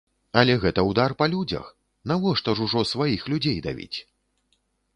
Але гэта ўдар па людзях, навошта ж ужо сваіх людзей давіць?